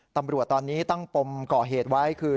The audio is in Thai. ตำรวจตอนนี้ตั้งปมก่อเหตุไว้คือ